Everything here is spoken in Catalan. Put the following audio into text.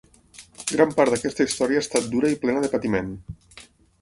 Gran part d’aquesta història ha estat dura i plena de patiment.